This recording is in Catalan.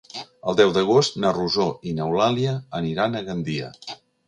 El deu d'agost na Rosó i n'Eulàlia aniran a Gandia.